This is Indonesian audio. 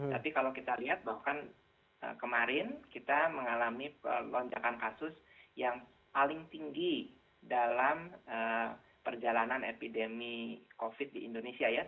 tapi kalau kita lihat bahkan kemarin kita mengalami lonjakan kasus yang paling tinggi dalam perjalanan epidemi covid di indonesia ya